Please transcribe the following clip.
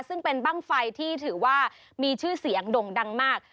ซึ่งเป็นบ้างไฟที่ถือว่ามีชื่อเสียงด่งดังมาก